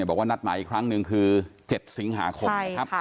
บอกว่านัดมาอีกครั้งหนึ่งคือ๗สิงหาคม